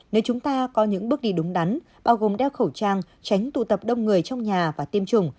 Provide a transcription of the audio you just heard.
nếu chúng ta có những bước đi đúng đắn bao gồm đeo khẩu trang tránh tụ tập đông người trong nhà và tiêm chủng